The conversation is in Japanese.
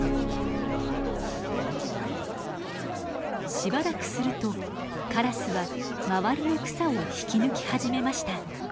しばらくするとカラスは周りの草を引き抜き始めました。